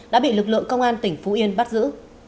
đã bị lực lượng công an tỉnh phú yên bắt giữ